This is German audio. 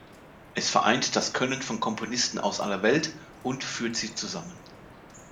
Es vereint das Können von Komponisten aus aller Welt und führt sie zusammen.